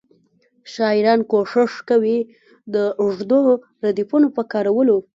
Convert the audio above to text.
شاعران کوښښ کوي د اوږدو ردیفونو په کارولو.